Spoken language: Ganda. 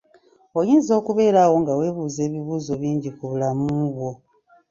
Oyinza okubeera awo nga weebuuza ebibuuzo bingi ku bulamu bwo.